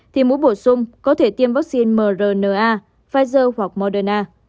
thì mũi bổ sung có thể tiêm vắc xin mrna pfizer hoặc moderna